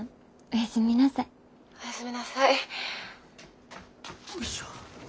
おやすみなさい。